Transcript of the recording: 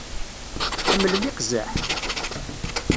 Tḥemmlem iqzaḥ?